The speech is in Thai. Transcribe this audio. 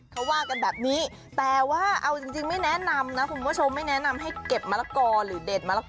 เขาว่ากันแบบนี้แต่ว่าเอาจริงไม่แนะนำนะคุณผู้ชมไม่แนะนำให้เก็บมะละกอหรือเด็ดมะละกอ